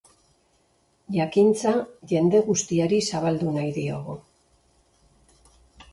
Jakintza jende guztiari zabaldu nahi diogu.